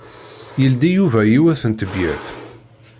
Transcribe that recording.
Yeldi Yuba yiwet n tebyirt.